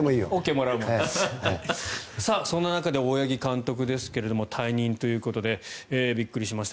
そんな中で大八木監督ですが退任ということでびっくりしました。